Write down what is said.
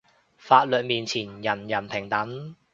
法律面前人人平等